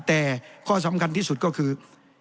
แต่ข้อสำคัญที่สุดก็คือ